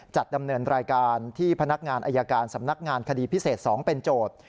จัดดำเนินรายการที่พนักงานอายการสำนักงานคดีพิเศษ๒เป็นโจทย์